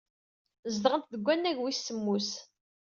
Zedɣent deg wannag wis semmus.